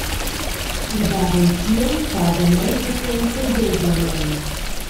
Il Bab en tschiel paga mei persuenter dublamein.»